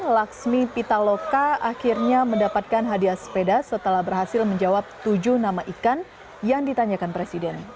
laksmi pitaloka akhirnya mendapatkan hadiah sepeda setelah berhasil menjawab tujuh nama ikan yang ditanyakan presiden